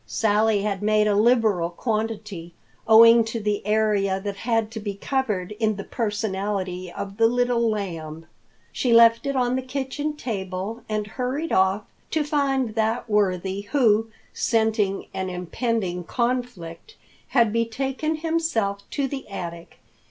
Sally had made a liberal quantity, owing to the area that had to be covered in the personality of the Little Lamb. She left it on the kitchen table, and hurried off to find that worthy who, scenting an impending conflict, had betaken himself to the attic.